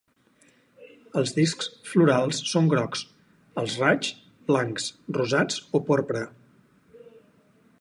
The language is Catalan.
Els discs florals són grocs; els raigs, blancs, rosats o porpra.